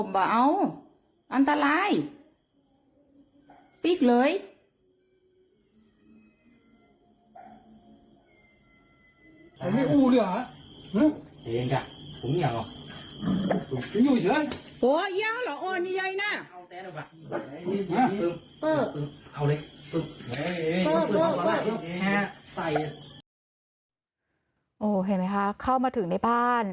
เห็นไหมคะเข้ามาถึงในบ้าน